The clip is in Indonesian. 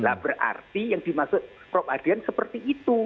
lah berarti yang dimaksud prof yudhian seperti itu